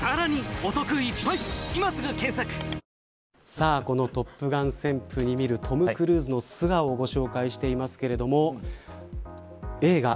さあこのトップガン旋風に見るトム・クルーズの素顔をご紹介していますけれども映画、